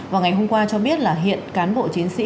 vào ngày hôm qua cho biết là hiện cán bộ chiến sĩ